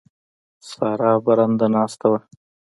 سارا برنده ناسته ده.